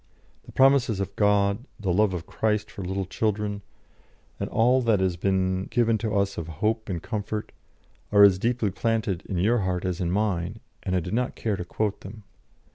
The promises of God, the love of Christ for little children, and all that has been given to us of hope and comfort, are as deeply planted in your heart as in mine, and I did not care to quote them.